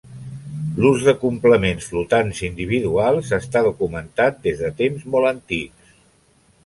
L’ús de complements flotants individuals està documentat des de temps molt antics.